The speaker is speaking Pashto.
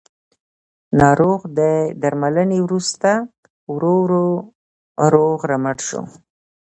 ناروغ د درملنې وروسته ورو ورو روغ رمټ شو